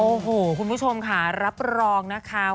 โอ้โหคุณผู้ชมค่ะรับรองนะคะ